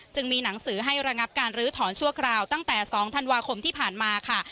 มีหนังสือให้ระงับการลื้อถอนชั่วคราวตั้งแต่๒ธันวาคมที่ผ่านมาค่ะ